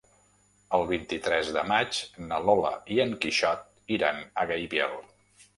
El vint-i-tres de maig na Lola i en Quixot iran a Gaibiel.